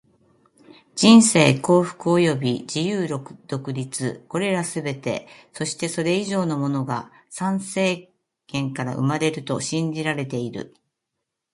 人生、幸福、喜び、自由、独立――これらすべて、そしてそれ以上のものが参政権から生まれると信じられている。